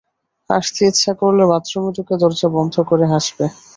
হাসতে ইচ্ছা করলে বাথরুমে ঢুকে দরজা বন্ধ করে হাসবে।